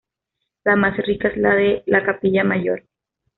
La más rica es la de la capilla mayor.